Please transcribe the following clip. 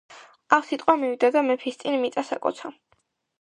ავსიტყვა მივიდა და მეფის წინ მიწას აკოცა.